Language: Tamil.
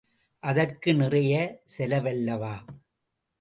அதற்கு நிறைய செலவல்லவா?